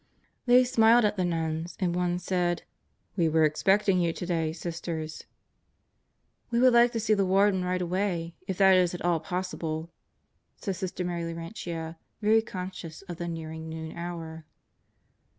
They smiled at the nuns, and one said: "We were expecting you today, Sisters." "We would like to see the Warden right away, if that is at all possible," said Sister Mary Laurentia, very conscious of the nearing noon hour.